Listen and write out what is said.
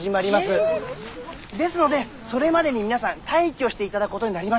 ですのでそれまでに皆さん退去していただくことになりました。